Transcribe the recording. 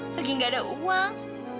lagi gak ada uang